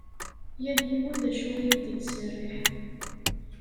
Yal yiwen d acu i ad ittserriḥ.